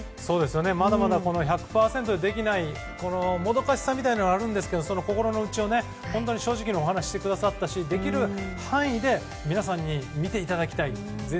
まだまだ１００％でできないもどかしさはあるんですけど、心の内を正直にお話ししてくださったしできる範囲で皆さんに見ていただきたい。